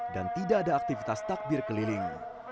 dan tidak ada aktivitas takbir keliling